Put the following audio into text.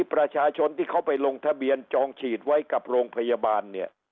ประชาชนที่เขาไปลงทะเบียนจองฉีดไว้กับโรงพยาบาลเนี่ย